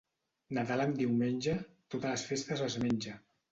Nadal en diumenge, totes les festes es menja.